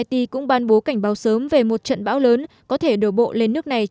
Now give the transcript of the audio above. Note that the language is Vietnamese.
xin chào và hẹn gặp lại